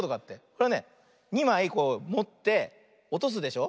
これはね２まいこうもっておとすでしょ。